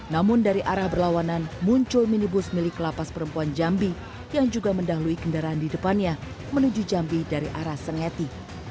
namun dari arah berlawanan muncul minibus milik lapas perempuan jambi yang juga mendahului kendaraan di depannya menuju jambi dari arah sengeti